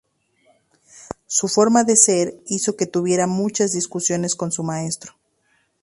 Su forma de ser hizo que tuviera muchas discusiones con su maestro.